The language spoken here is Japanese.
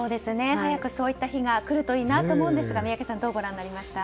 早くそういった日が来るといいなと思うんですが宮家さんどうご覧になりました？